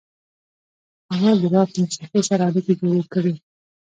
هغه د راک موسیقۍ سره اړیکې جوړې کړې.